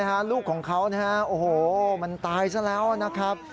ให้ของเขาเนี่ยมันตายซะแล้วนะครับ